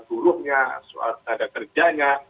turuhnya soal tanda kerjanya